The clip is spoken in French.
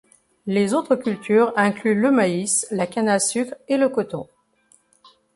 Les autres cultures incluent le maïs, la canne à sucre et le coton.